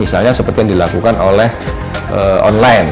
misalnya seperti yang dilakukan oleh online